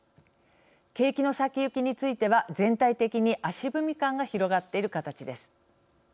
景気の先行きについては全体的に足踏み感が広がっている形です。